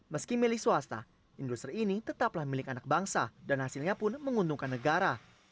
meski milik swasta industri ini tetaplah milik anak bangsa dan hasilnya pun menguntungkan negara